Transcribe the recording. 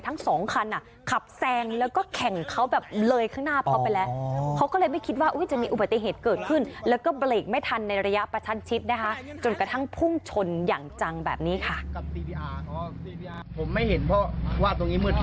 ทั้งสองคันขับแซงแล้วก็แข่งเขาแบบเลยข้างหน้าเขาไปแล้วเขาก็เลยไม่คิดว่าจะมีอุบัติเหตุเกิดขึ้นแล้วก็เบรกไม่ทันในระยะประชันชิดนะคะจนกระทั่งพุ่งชนอย่างจังแบบนี้ค่ะ